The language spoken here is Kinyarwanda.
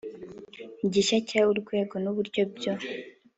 Igice cya Urwego n uburyo byo